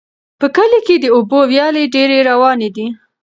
په کلي کې د اوبو ویالې ډېرې روانې دي.